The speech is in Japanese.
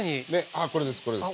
ああこれですこれです。